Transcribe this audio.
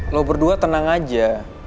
lo berdua tenang aja